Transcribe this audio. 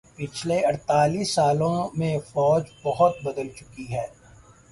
پچھلے اڑتالیس سالوں میں فوج بہت بدل چکی ہے